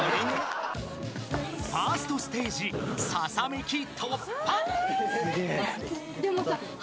［ファーストステージささめき突破］